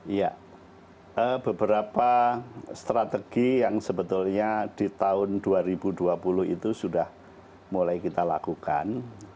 iya beberapa strategi yang sebetulnya di tahun dua ribu dua puluh itu sudah mulai kita lakukan